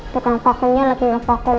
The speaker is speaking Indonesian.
tukang vakumnya lagi ngefakum